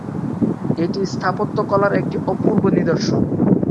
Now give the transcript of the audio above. এটি স্থাপত্যকলার একটি অপূর্ব নিদর্শন।